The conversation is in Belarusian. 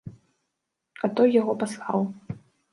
А той яго паслаў.